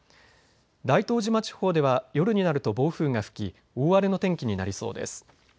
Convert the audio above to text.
大東島地方では夜になると暴風が吹き大荒れの天気になりそうです。